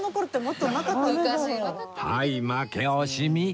はい負け惜しみ